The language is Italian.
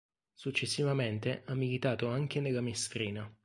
Successivamente ha militato anche nella Mestrina.